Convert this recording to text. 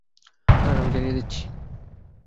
দাঁড়ান, আমি জানিয়ে দিচ্ছি।